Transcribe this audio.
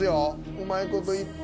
うまいこといって！